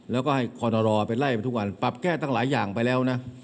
แล้วก็ให้คอนรอไปไล่ไปทุกวันปรับแก้ตั้งหลายอย่างไปแล้วนะ